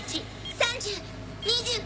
３０・２９。